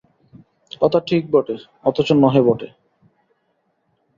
কথা ঠিক বটে, অথচ নহে বটে।